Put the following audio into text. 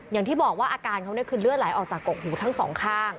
อย่างที่บอกว่าอาการเขาคือเลือดไหลออกจากกกหูทั้งสองข้าง